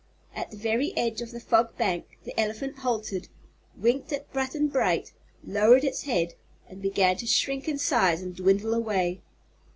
At the very edge of the Fog Bank the elephant halted, winked at Button Bright, lowered its head and began to shrink in size and dwindle away.